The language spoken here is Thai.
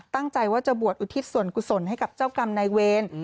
ตั้งใจว่าจะบวชอุทิศส่วนกุศลให้กับเจ้ากรรมนายเวร